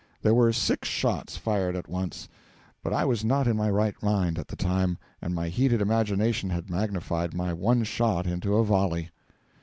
There were six shots fired at once; but I was not in my right mind at the time, and my heated imagination had magnified my one shot into a volley.